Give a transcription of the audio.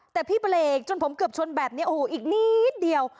แต่พี่เบรกจนผมเกือบชนแบบนี้โอ้โหอีกนิดเดียว